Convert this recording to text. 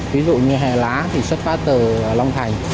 ví dụ như hè lá thì xuất phát từ long thành